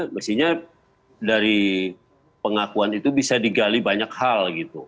mestinya dari pengakuan itu bisa digali banyak hal gitu